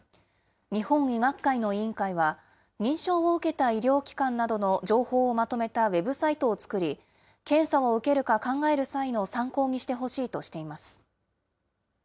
日本医学会の委員会は、認証を受けた医療機関などの情報をまとめたウェブサイトを作り、検査を受けるか考える際の参考にしてほしいとしています。